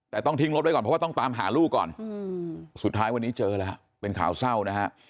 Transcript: แต่ต้องทิ้งรถไว้ก่อนเพราะว่าต้องตามหาลูกก่อนสุดท้ายวันนี้เจอแล้วเป็นข่าวเศร้านะฮะ